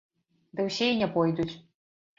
Ды ўсе і не пойдуць.